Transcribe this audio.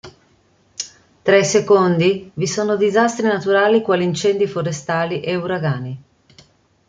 Tra i secondi vi sono disastri naturali quali incendi forestali e uragani.